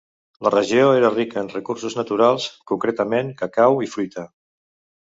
La regió era rica en recursos naturals, concretament, cacau i fruita.